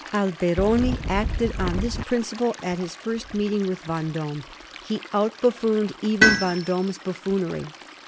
Alberoni acted on this principle at his first meeting with Vend6me. He outbuflPboned even Vend6me's buffoonery.